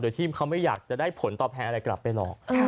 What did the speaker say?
โดยที่เขาไม่อยากจะได้ผลตอบแทนอะไรกลับไปหรอก